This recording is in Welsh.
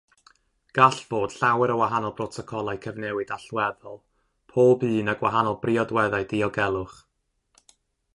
Gall fod llawer o wahanol brotocolau cyfnewid allweddol, pob un â gwahanol briodweddau diogelwch.